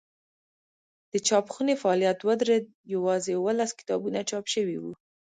د چاپخونې فعالیت ودرېد یوازې اوولس کتابونه چاپ شوي وو.